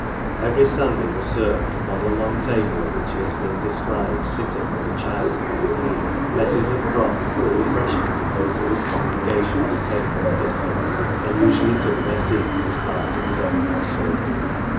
Every Sunday, were served, upon the long table, at which he has been described sitting with a child upon his knee, messes of broth, for the refreshment of those of his congregation who came from a distance, and usually took their seats as parts of his own household.